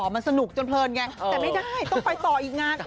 มันสนุกจนเพลินไงแต่ไม่ได้ต้องไปต่ออีกงาน